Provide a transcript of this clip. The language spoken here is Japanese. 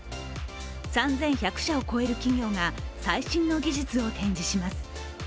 ３１００社を超える企業が最新の技術を展示します。